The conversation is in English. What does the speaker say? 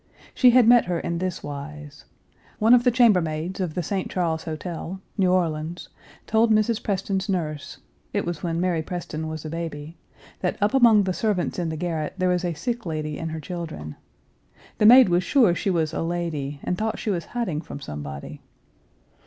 She had met her in this wise: One of the chambermaids of the St. Charles Hotel (New Orleans) told Mrs. Preston's nurse it was when Mary Preston was a baby that up among the servants in the garret there was a sick lady and her children. The maid was sure she was a lady, and thought she was hiding from somebody.